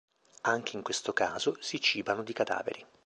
Anche in questo caso, si cibano di cadaveri.